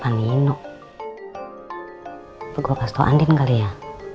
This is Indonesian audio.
pani ino atau gua pasto andin kali ya